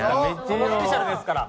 そのスペシャルですから。